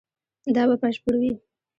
دا به بشپړ وي